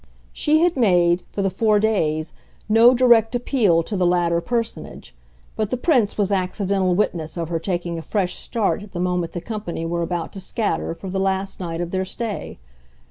She had made, for the four days, no direct appeal to the latter personage, but the Prince was accidental witness of her taking a fresh start at the moment the company were about to scatter for the last night of their stay.